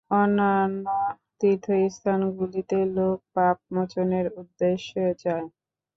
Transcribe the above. অন্যান্য তীর্থস্থানগুলিতে লোকে পাপমোচনের উদ্দেশ্যে যায়।